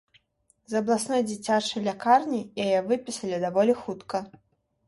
З абласной дзіцячай лякарні яе выпісалі даволі хутка.